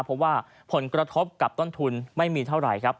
เพราะว่าผลกระทบกับต้นทุนไม่มีเท่าไหร่ครับ